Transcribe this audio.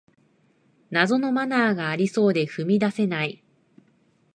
謎のマナーがありそうで踏み出せない